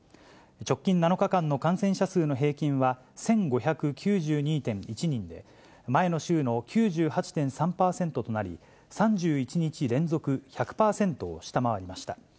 直近７日間の感染者数の平均は１５９２．１人で、前の週の９８．３％となり、３１日連続１００％を下回りました。